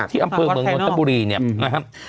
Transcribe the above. ที่อำเภอเมืองนนทบุรีเนี่ยนะครับ